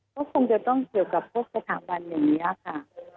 ก็คงจะต้องเกี่ยวกับพวกสถาบันอย่างนี้ค่ะ